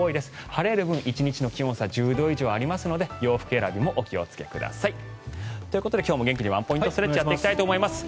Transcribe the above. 晴れる分、１日の気温差１０度以上ありますので洋服選びもお気をつけください。ということで今日も元気にワンポイントストレッチをやっていきたいと思います。